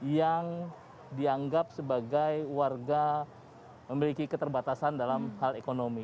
yang dianggap sebagai warga memiliki keterbatasan dalam hal ekonomi